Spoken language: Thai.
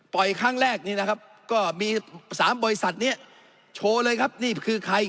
ครั้งแรกนี้นะครับก็มีสามบริษัทนี้โชว์เลยครับนี่คือใคร